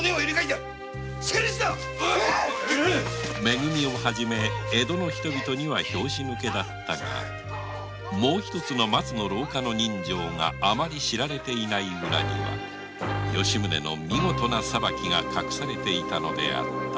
め組を初め江戸の人々には拍子抜けだったがもう一つの松の廊下の刃傷が余り知られていない裏には吉宗の見事な裁きが隠されていたのであった